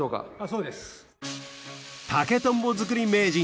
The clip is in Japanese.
そうです。